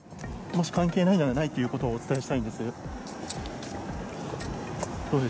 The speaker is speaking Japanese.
もし関係ないなら、ないっていうことをお伝えしたいんです。